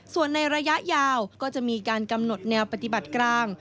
ส่วนในระยะยาวก็จะมีการกำหนดแนวปฏิบัติกลาง